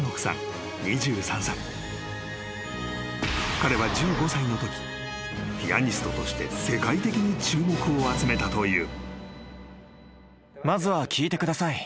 ［彼は１５歳のときピアニストとして世界的に注目を集めたという］